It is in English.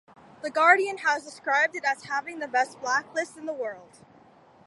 "The Guardian" has described it as having "the best backlist in the world".